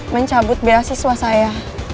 mencabut beasiswa saya